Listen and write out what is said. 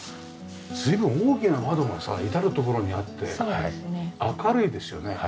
随分大きな窓がさ至る所にあって明るいですよね。